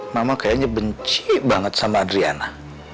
mama kayaknya benci banget sama adriana